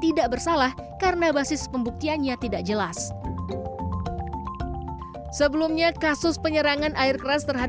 tidak bersalah karena basis pembuktiannya tidak jelas sebelumnya kasus penyerangan air keras terhadap